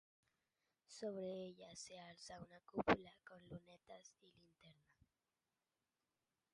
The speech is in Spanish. Sobre ella se alza una cúpula con lunetas y linterna.